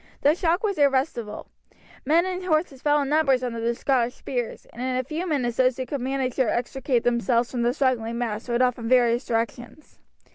The shock was irresistible; men and horses fell in numbers under the Scottish spears, and in a few minutes those who could manage to extricate themselves from the struggling mass rode off in various directions.